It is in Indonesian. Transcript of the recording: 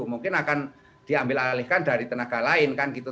mungkin akan diambil alihkan dari tenaga lain kan gitu